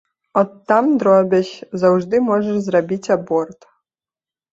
От там, дробязь, заўжды можаш зрабіць аборт.